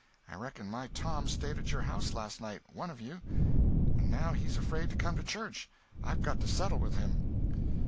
I reckon my Tom stayed at your house last night—one of you. And now he's afraid to come to church. I've got to settle with him."